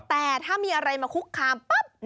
แต่ถ้ามีอะไรมาคุกคามปั๊บ